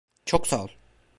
Çok sağ ol.